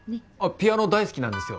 ピアノ大好きなんですよ。